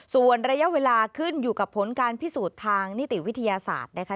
ส่วนระยะเวลาขึ้นอยู่กับผลการพิสูจน์ทางนิติวิทยาศาสตร์นะคะ